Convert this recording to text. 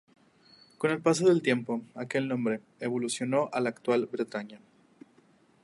Con el paso del tiempo, aquel nombre, evolucionó al actual de "Bretaña".